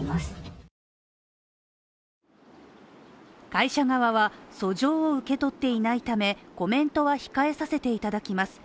会社側は訴状を受け取っていないため、コメントは控えさせていただきます